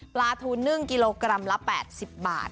ปลาทูนึ่งกิโลกรัมละ๘๐บาท